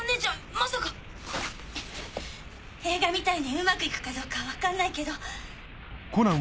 まさか⁉映画みたいにうまくいくかどうか分かんないけど。